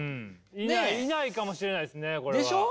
いないかもしれないですねこれは。でしょ？